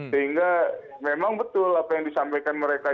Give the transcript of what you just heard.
sehingga memang betul apa yang disampaikan mereka